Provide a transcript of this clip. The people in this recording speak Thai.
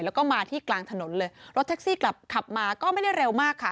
แล้วก็มาที่กลางถนนเลยรถแท็กซี่กลับขับมาก็ไม่ได้เร็วมากค่ะ